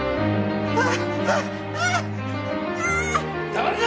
誰だ！？